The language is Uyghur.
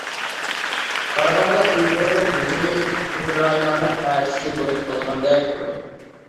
قارىغاندا، ئۇيغۇرنىڭ بۈگۈنى ئۇكرائىنانىڭ ئەتىسى بولۇپ قالىدىغاندەك تۇرىدۇ.